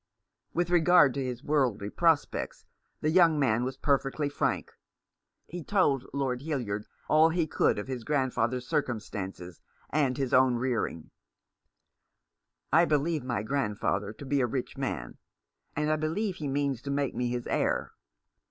With regard to his worldly prospects the young man was perfectly frank. He told Lord Hildyard all he could of his grandfather's circumstances and his own rearing. "I believe my grandfather to be a rich man, and I believe he means to make me his heir.